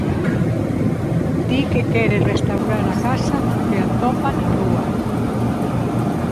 Di que quere restaurar a casa co que atopa na rúa.